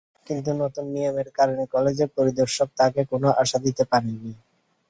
কিন্তু নতুন নিয়মের কারণে কলেজ পরিদর্শক তাঁকে কোনো আশা দিতে পারেননি।